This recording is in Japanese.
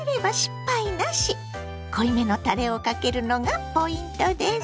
濃いめのたれをかけるのがポイントです。